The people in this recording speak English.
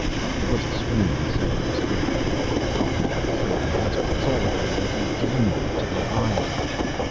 It was a scream in Svearek's throat. "I'll have yer craven heads for this, all of ye, if ye gang not to the isle!"